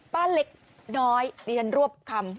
ป้าเล็กน้อยนี่ฉันรวบคำ